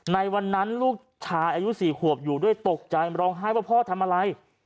ในวันนั้นลูกชายอายุ๔ขวบอยู่ด้วยตกใจร้องไห้ว่าพ่อทำอะไร